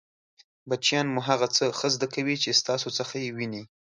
بچیان مو هغه څه ښه زده کوي چې ستاسو څخه يې ویني!